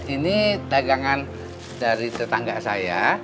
ini dagangan dari tetangga saya